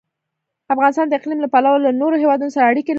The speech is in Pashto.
افغانستان د اقلیم له پلوه له نورو هېوادونو سره اړیکې لري.